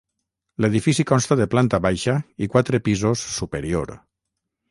L'edifici consta de planta baixa i quatre pisos superior.